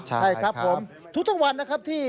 ใช่ครับผมทุกวันนะครับที่